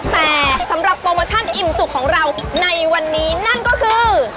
แต่สำหรับโปรโมชั่นอิ่มจุกของเราในวันนี้นั่นก็คือ